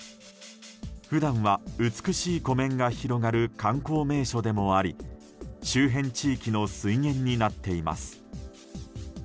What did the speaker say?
普段は美しい湖面が広がる観光名所でもあり周辺地域の水源になっています。